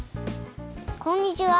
こんにちは。